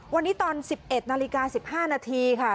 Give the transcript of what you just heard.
วันนี้ตอน๑๑นาฬิกา๑๕นาทีค่ะ